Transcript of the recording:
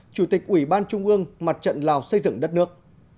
chủ tịch ủy ban trung ương mặt trận lào xây dựng đất nước